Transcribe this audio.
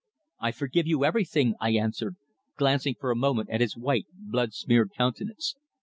"I forgive you everything," I answered, glancing for a moment at his white, blood smeared countenance.